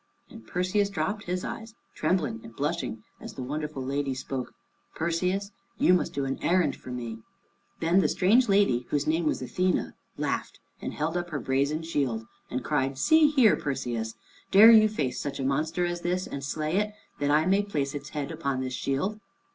And Perseus dropped his eyes, trembling and blushing, as the wonderful lady spoke. "Perseus, you must do an errand for me." "Who are you, lady? And how do you know my name?" Then the strange lady, whose name was Athene, laughed, and held up her brazen shield, and cried, "See here, Perseus, dare you face such a monster as this and slay it, that I may place its head upon this shield?"